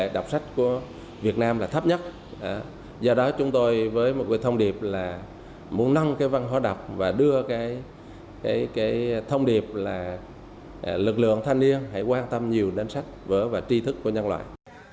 do đó chúng tôi với một cái thông điệp là muốn nâng cái văn hóa đọc và đưa cái thông điệp là lực lượng thanh niên hãy quan tâm nhiều đến sách vỡ và tri thức của nhân loại